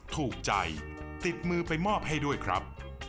ถูกใจติดมือไปมอบให้ด้วยครับ